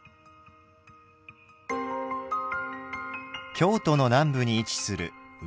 京都の南部に位置する宇治市。